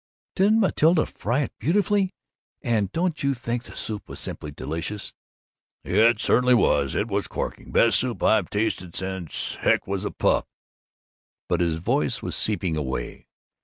"Didn't Matilda fry it beautifully! And don't you think the soup was simply delicious?" "It certainly was! It was corking! Best soup I've tasted since Heck was a pup!" But his voice was seeping away.